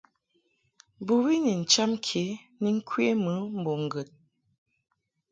Bɨwi ni ncham ke ni ŋkwe mɨ mbo ŋgəd.